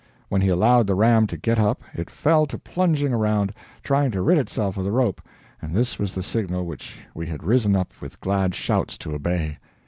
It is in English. When he allowed the ram to get up it fell to plunging around, trying to rid itself of the rope, and this was the signal which we had risen up with glad shouts to obey.